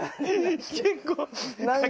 結構。